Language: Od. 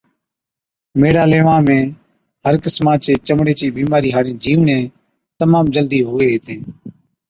ميڙان ليوان ۾ هر قِسما چي چمڙي چِي بِيمارِي هاڙين جِيوڙين تمام جلدِي هُوي هِتين۔